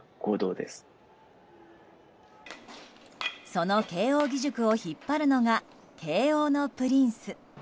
その慶應義塾を引っ張るのが慶應のプリンス。